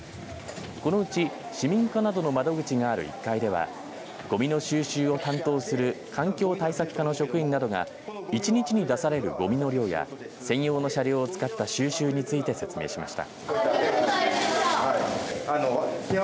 このうち市民課などの窓口がある１階ではごみの収集を担当する環境対策課の職員などが１日に出されるごみの量や専用の車両を使った収集について説明しました。